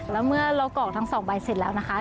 แล้วเมื่อเรากรอกทั้ง๒ใบเสร็จแล้วนะคะ